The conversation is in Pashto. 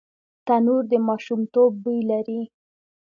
تنور د ماشومتوب بوی لري